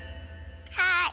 はい！